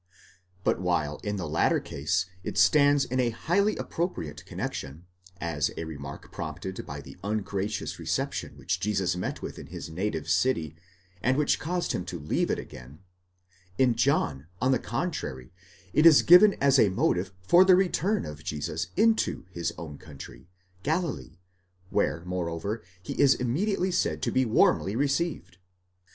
But while in the latter case it stands in a highly appropriate connexion, as a remark prompted by the ungracious reception which Jesus met with in his native city, and which caused him to leave it again : in John, on the contrary, it is given as a motive for the return of Jesus into his own country, Galilee, where, moreover, he is immediately said to be warmly received.